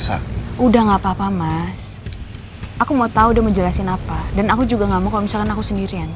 aku gak mau jelasin apa dan aku juga gak mau kalau misalkan aku sendirian